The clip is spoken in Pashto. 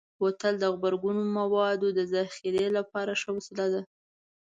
بوتل د غبرګون موادو ذخیره لپاره ښه وسیله ده.